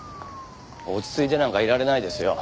落ち着いてなんかいられないですよ。